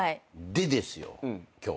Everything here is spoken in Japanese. でですよ今日。